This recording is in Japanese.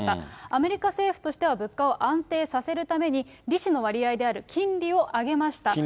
アメリカ政府としては、物価を安定させるために、利子の割合である金利を上げました。